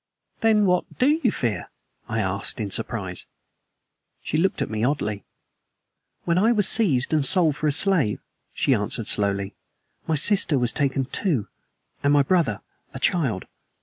"Then what do you fear?" I asked, in surprise. She looked at me oddly. "When I was seized and sold for a slave," she answered slowly, "my sister was taken, too, and my brother a child."